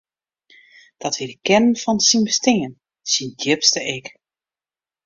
Dat wie de kearn fan syn bestean, syn djipste ik.